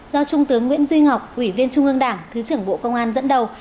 do trung tướng nguyễn duy ngọc ủy viên trung ương đảng thứ trưởng bộ công an dẫn đầu